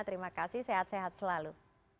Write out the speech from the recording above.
terima kasih sehat sehat selalu